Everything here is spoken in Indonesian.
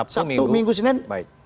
sabtu minggu senin